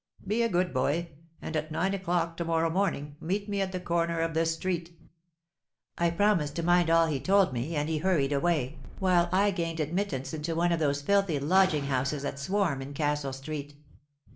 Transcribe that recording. Be a good boy; and at nine o'clock to morrow morning, meet me at the corner of this street.'—I promised to mind all he told me; and he hurried away, while I gained admittance into one of those filthy lodging houses that swarm in Castle Street.